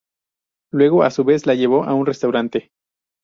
Luego, a su vez la llevó a un restaurante.